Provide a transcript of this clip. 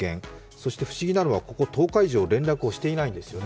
そして不思議なのはここ、１０日以上連絡をしていないんです。